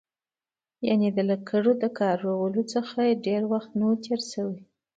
یعنې د لکړو له کارولو څخه ډېر وخت نه و تېر شوی.